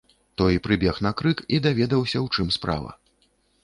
Той прыбег на крык і даведаўся, у чым справа.